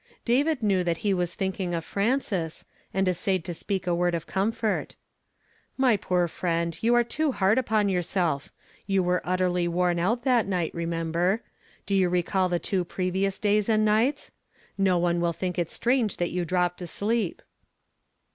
David knew that he was thinking of Frances, and essayed to speak a word of comfort. " My poor friend, you are too hard upon your self. You were utterly worn out that night, re member. Do you recall the two previous days and nights ? No one will think it strange that you dropped asleep."